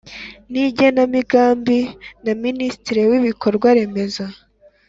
N igenamigambi na minisitiri w ibikorwa remezo